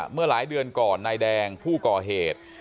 เมื่อหลายเดือนก่อนนายแดงผู้ก่อเหตุ